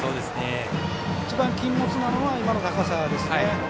一番禁物なのが今の高さですね。